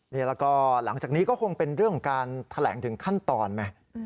นี่แล้วก็หลังจากนี้ก็คงเป็นเรื่องของการแถลงถึงขั้นตอนไหม